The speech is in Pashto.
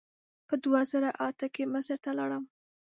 په دوه زره اته کې مصر ته لاړم.